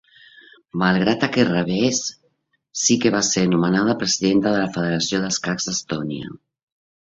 Malgrat aquest revés sí que va ser nomenada, presidenta de la Federació d'escacs d'Estònia.